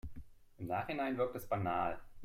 Im Nachhinein wirkt es banal.